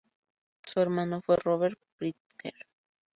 Su hermano fue Robert Pritzker.